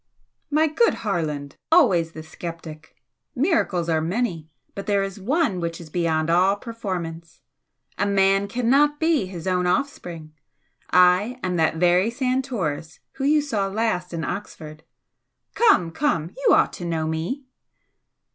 "My good Harland! Always the sceptic! Miracles are many, but there is one which is beyond all performance. A man cannot be his own offspring! I am that very Santoris who saw you last in Oxford. Come, come! you ought to know me!"